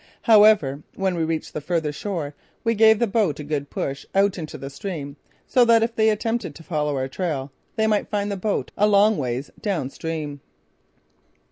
However, when we reached the further shore we gave the boat a good push out into the stream so that if they attempted to follow our trail they might find the boat a long ways down stream.